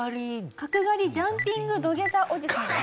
「角刈りジャンピング土下座おじさん」です。